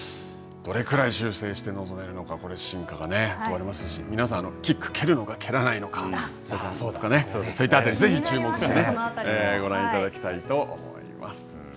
どれくらい修正して臨めるのか、真価が問われますしキック、このまま蹴るのか蹴らないのか、そういったあたりもぜひ注目してご覧いただきたいと思います。